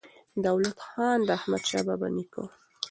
دولت خان د احمدشاه بابا نیکه و.